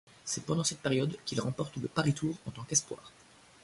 C'est pendant cette période qu'il remporte le Paris-Tours en tant qu'espoir.